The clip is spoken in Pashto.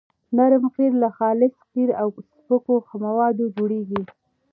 نرم قیر له خالص قیر او سپکو موادو جوړیږي